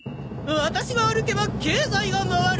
ワタシが歩けば経済が回る！